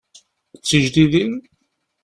D tijdidin?